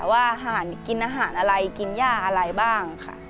ว่าอาหารกินอาหารอะไรกินย่าอะไรบ้างค่ะ